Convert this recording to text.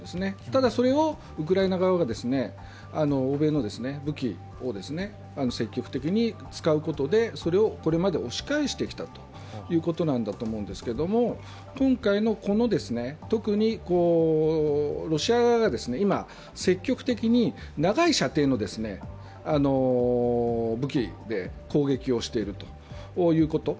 ただそれは、ウクライナ側が欧米の武器を積極的に使うことで、それをこれまで押し返してきたということだと思うんですけれども、今回のこの、特にロシア側が今、積極的に長い射程の武器で攻撃をしているということ。